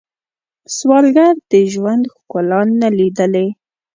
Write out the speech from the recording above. سوالګر د ژوند ښکلا نه لیدلې